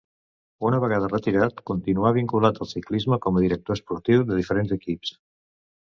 Una vegada retirat continuà vinculat al ciclisme com a director esportiu de diferents equips.